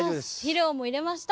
肥料も入れました。